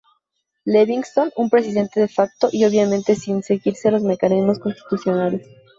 Levingston, un presidente de facto y obviamente sin seguirse los mecanismos constitucionales.